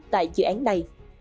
tại dự án này